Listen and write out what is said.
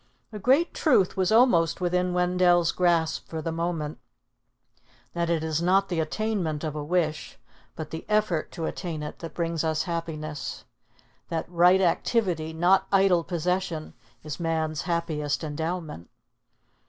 A great truth was almost within Wendell's grasp for the moment, that it is not the attainment of a wish, but the effort to attain it that brings us happiness: that right activity, not idle possession, is man's happiest endowment.